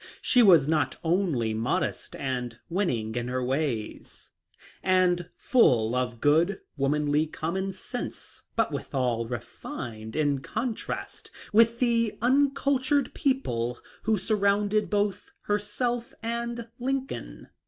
She was not only modest and winning in her ways, and full of good, womanly common sense, but withal re fined, in contrast with the uncultured people who surrounded both herself and Lincoln.